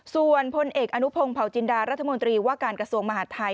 ส่วนพลเอกอนุพงศ์เผาจินดารัฐมนตรีว่าการกระทรวงมหาดไทย